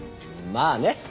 まあね。